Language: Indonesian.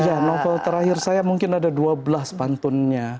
ya novel terakhir saya mungkin ada dua belas pantunnya